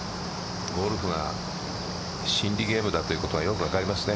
ゴルフは心理ゲームだということがよく分かりますね。